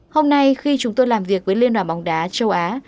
hôm nay khi chúng tôi làm việc với liên đoàn bóng đá châu á